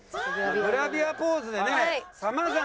グラビアポーズでねさまざまな。